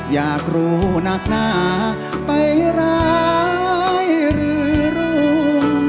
อยากรู้นักหนาไปร้ายหรือรุ่ง